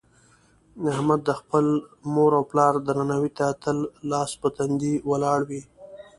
احمد د خپل مور او پلار درناوي ته تل لاس په تندي ولاړ وي.